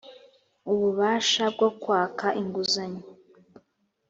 ububasha bwo kwaka inguzanyo